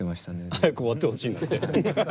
早く終わってほしいなって。